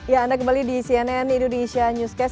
ya anda kembali di cnn indonesia newscast